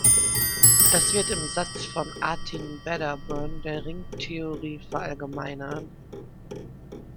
Das wird im Satz von Artin-Wedderburn der Ringtheorie verallgemeinert.